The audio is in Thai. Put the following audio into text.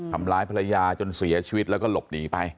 ทำร้ายภรรยาจนเสียชีวิตแล้วก็หลบหนีไป